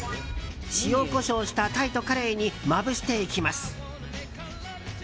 塩、コショウしたタイとカレイにまぶしていきます。